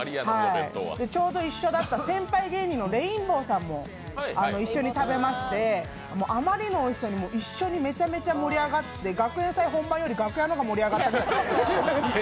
ちょうど一緒だった先輩芸人のレインボーさんも一緒に食べまして、あまりのおいしさに一緒にめちゃめちゃ盛り上がって学園祭本番より楽屋の方が盛り上がって。